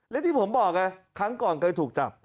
และที่ผมบอกไงครั้งก่อนเคยถูกจับ